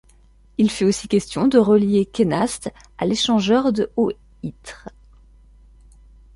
Il fut aussi question de relier Quenast à l'échangeur de Haut-Ittre.